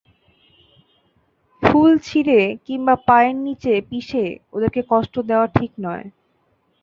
ফুল ছিঁড়ে কিংবা পায়ের নিচে পিষে ওদের কষ্ট দেওয়া ঠিক নয়।